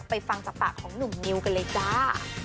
ฟังจากปากของหนุ่มนิวกันเลยจ้า